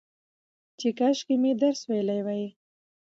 چې کاشکي مې درس ويلى وى